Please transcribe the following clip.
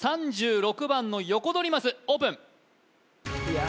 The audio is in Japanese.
３６番のヨコドリマスオープン